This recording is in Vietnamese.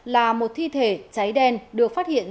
là một thi thể cháy đen được phát hiện